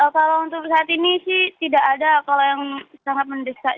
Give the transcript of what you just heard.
kalau untuk saat ini sih tidak ada kalau yang sangat mendesak